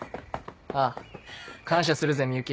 ああ感謝するぜ美雪。